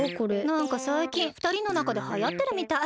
なんかさいきんふたりのなかではやってるみたい。